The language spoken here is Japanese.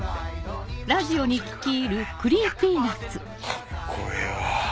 カッコええわ。